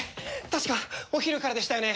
確かお昼からでしたよね